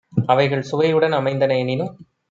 அவைகள் சுவையுடன் அமைந்தன எனினும்